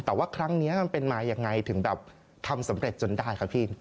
แต่ว่าครั้งนี้มันเป็นมายังไงถึงแบบทำสำเร็จจนได้ครับพี่